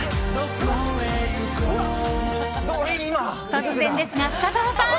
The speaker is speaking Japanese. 突然ですが、深澤さん！